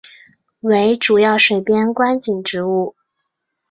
为主要水边观景植物。